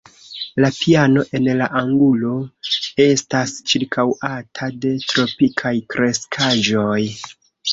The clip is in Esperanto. La piano en la angulo estas ĉirkaŭata de tropikaj kreskaĵoj.